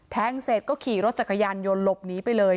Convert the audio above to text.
แทงเสร็จก็ขี่รถจักรยานยนต์หลบหนีไปเลย